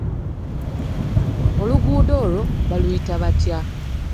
Oluguudo olwo baluyita batya?